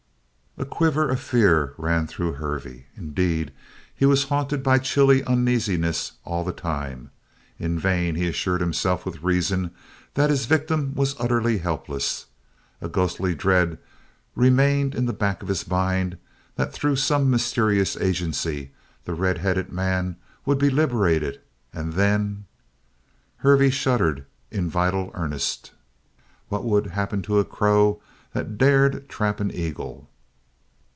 A quiver of fear ran through Hervey. Indeed, he was haunted by chilly uneasiness all the time. In vain he assured himself with reason that his victim was utterly helpless. A ghostly dread remained in the back of his mind that through some mysterious agency the red headed man would be liberated, and then . Hervey shuddered in vital earnest. What would happen to a crow that dared trap an eagle.